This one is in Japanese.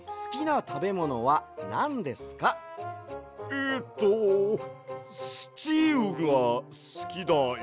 えっとスチウがすきだよ。